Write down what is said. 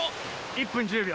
１分１０秒。